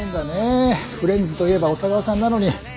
フレンズといえば小佐川さんなのに。